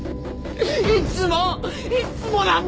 いつもいつもなんだ！